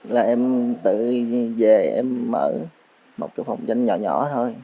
là em tự về em mở một cái phòng doanh nhỏ nhỏ thôi